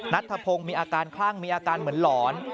นัทธพงศ์มีอาการคลั่งมีอาการเหมือนหลอน